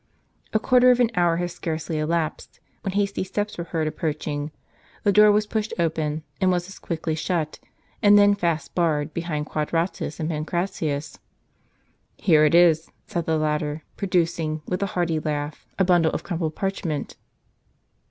A quarter of an hour had scarcely elapsed, when hasty steps were heard approaching; the door was pushed open, and was as quickly shut, and then fast barred, behind Quad ratus and Pancratius. " Here it is," said the latter, producing, with a hearty laugh, a bundle of crumpled parchment.